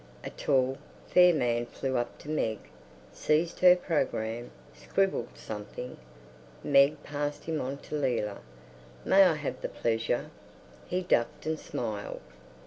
A tall, fair man flew up to Meg, seized her programme, scribbled something; Meg passed him on to Leila. "May I have the pleasure?" He ducked and smiled.